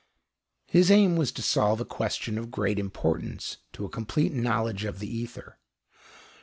His aim was to solve a question of great importance to a complete knowledge of the ether.